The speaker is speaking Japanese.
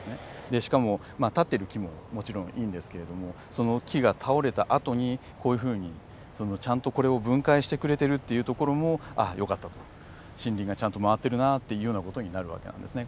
しかも立ってる木ももちろんいいんですけれどもその木が倒れたあとにこういうふうにちゃんとこれを分解してくれてるっていうところもああよかったと森林がちゃんと回っているなあっていうような事になる訳なんですね。